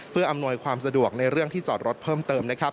เพื่ออำนวยความสะดวกในเรื่องที่จอดรถเพิ่มเติมนะครับ